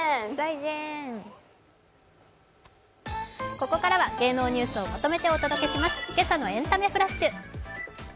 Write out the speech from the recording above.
ここからは芸能ニュースをまとめてお届けします、「けさのエンタメフラッシュ」。